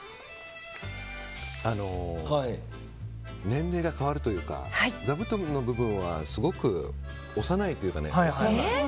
年齢が変わるというか座布団の部分はすごく幼いというか。